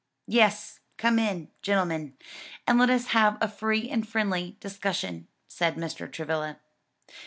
"Yes; come in, gentlemen, and let us have a free and friendly discussion," said Mr. Travilla.